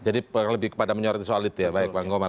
jadi lebih kepada menyoroti soal itu ya baik pak komar